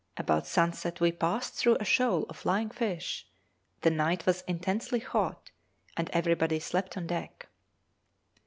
About sunset we passed through a shoal of flying fish; the night was intensely hot, and everybody slept on deck.